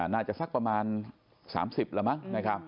สักประมาณ๓๐แล้วมั้งนะครับ